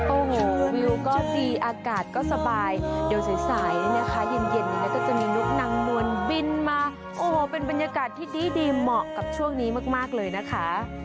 โอ้โหวิวก็ดีอากาศก็สบายเดี๋ยวใสนะคะเย็นนี้ก็จะมียุคนางมวลบินมาโอ้โหเป็นบรรยากาศที่ดีเหมาะกับช่วงนี้มากเลยนะคะ